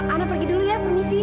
anda pergi dulu ya permisi